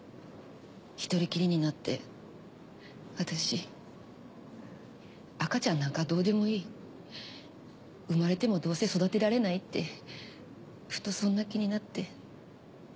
１人きりになって私赤ちゃんなんかどうでもいい生まれてもどうせ育てられないってふっとそんな気になって。